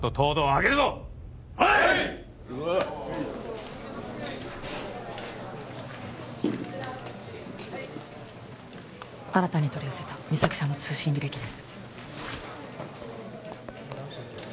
行くぞはい新たに取り寄せた実咲さんの通信履歴です